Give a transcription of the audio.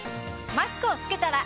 マスクを着けたら。